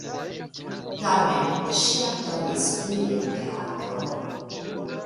Tamen ŝi aktoris pli en teatro.